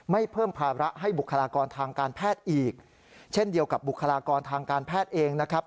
ไม่เพิ่มภาระให้บุคลากรทางการแพทย์อีกเช่นเดียวกับบุคลากรทางการแพทย์เองนะครับ